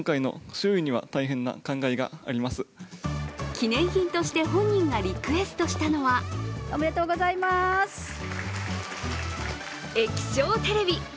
記念品として本人がリクエストしたのは液晶テレビ。